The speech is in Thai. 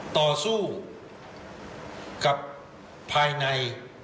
ต่อสู้กับภายใน